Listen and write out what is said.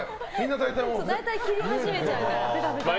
切り始めちゃうから。